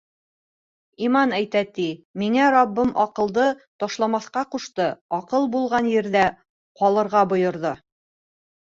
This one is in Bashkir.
Иман әйтә ти: «Миңә Раббым аҡылды ташламаҫҡа ҡушты, аҡыл булған ерҙә ҡалырға бойорҙо!»